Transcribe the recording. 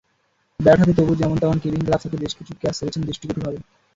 Bat হাতে তবু যেমন-তেমন, কিপিং গ্লাভস হাতে বেশ কিছু ক্যাচ ছেড়েছেন দৃষ্টিকটুভাবে।